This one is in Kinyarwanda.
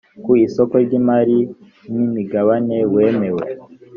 ku isoko ry imari n imigabane wemewe